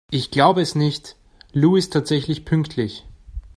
Ich glaube es nicht, Lou ist tatsächlich pünktlich!